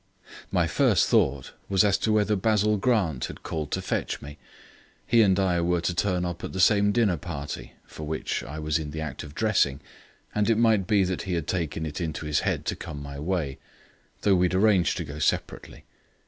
My first thought was as to whether Basil Grant had called to fetch me. He and I were to turn up at the same dinner party (for which I was in the act of dressing), and it might be that he had taken it into his head to come my way, though we had arranged to go separately.